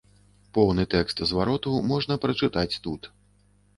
Поўны тэкст звароту можна прачытаць тут.